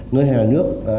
ngân hàng nhà nước